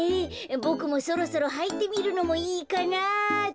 ボクもそろそろはいてみるのもいいかなあって。